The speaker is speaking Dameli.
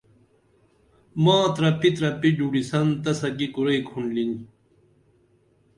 ماں ترپی ترپی ڈُڈِی سن تسہ کی کُرئی کُھنڈِن